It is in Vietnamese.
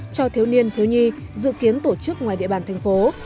cho thiếu niên thiếu nhi dự kiến tổ chức ngoài địa bàn thành phố